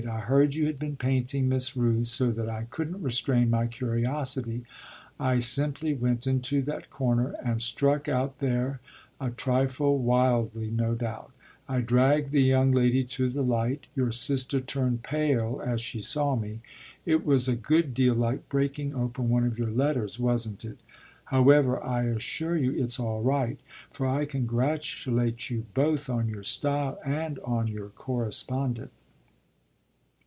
I heard you had been painting Miss Rooth, so that I couldn't restrain my curiosity. I simply went into that corner and struck out there a trifle wildly no doubt. I dragged the young lady to the light your sister turned pale as she saw me. It was a good deal like breaking open one of your letters, wasn't it? However, I assure you it's all right, for I congratulate you both on your style and on your correspondent."